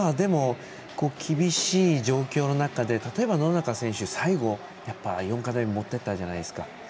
でも、厳しい状況の中で例えば、野中選手、４課題目もっていったじゃないですか。